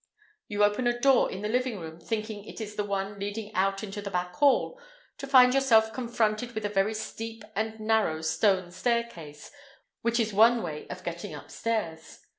You open a door in the living room, thinking it is the one leading out into the back hall, to find yourself confronted with a very steep and narrow stone staircase, which is one way of getting upstairs!